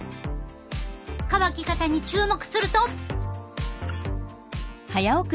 乾き方に注目すると。